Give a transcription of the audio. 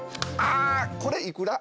あこれいくら？